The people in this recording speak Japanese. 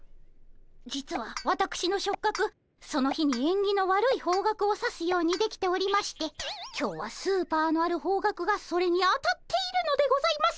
実はわたくしの触角その日にえんぎの悪い方角を指すようにできておりまして今日はスーパーのある方角がそれにあたっているのでございます。